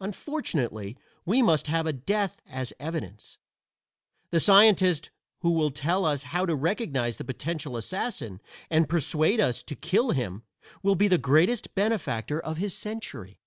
Unfortunately we must have a death as evidence. The scientist who will tell us how to recognize the potential assassin, and persuade us to kill him, will be the greatest benefactor of his century.